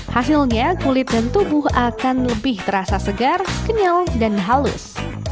hasilnya kulit dan tubuh akan lebih terasa segar kenyal dan halus